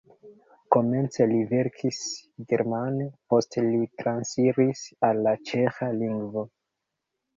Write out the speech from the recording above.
Komence li verkis germane, poste li transiris al la ĉeĥa lingvo.